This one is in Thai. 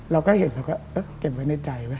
เราก็เห็นเราก็เก็บไว้ในใจไว้